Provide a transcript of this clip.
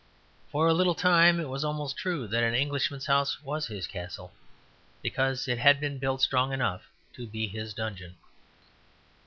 For a little time it was almost true that an Englishman's house was his castle, because it had been built strong enough to be his dungeon.